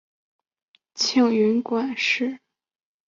庆云馆是位于日本山梨县南巨摩郡早川町西山温泉的一座旅馆。